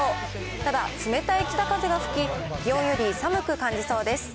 ただ、冷たい北風が吹き、気温より寒く感じそうです。